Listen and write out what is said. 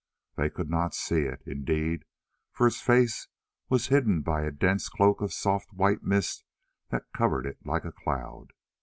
They could not see it, indeed, for its face was hid by a dense cloak of soft white mist that covered it like a cloud.